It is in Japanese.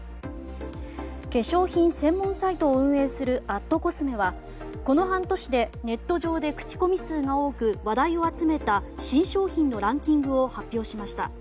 化粧品専門サイトを運営するアットコスメはこの半年でネット上で口コミ数が多く話題を集めた新商品のランキングを発表しました。